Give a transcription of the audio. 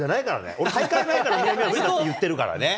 俺、大会前から南アフリカって言ってるからね。